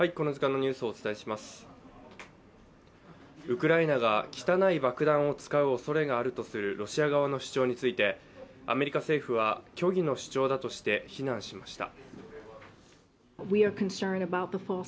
ウクライナが汚い爆弾を使うおそれがあるとするロシア側の主張についてアメリカ政府は虚偽の主張だとして非難しました。